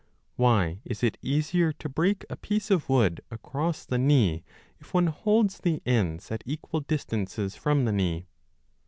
Why is it easier to break a piece of wood across the knee if one holds the ends at equal distances from the knee